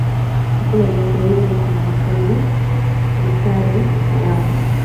Akuna jembe ile iko na makari sa yangu